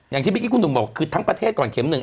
อย่างที่เมื่อกี้คุณหนุ่มบอกคือทั้งประเทศก่อนเข็มหนึ่ง